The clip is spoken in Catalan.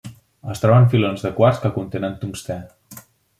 Es troba en filons de quars que contenen tungstè.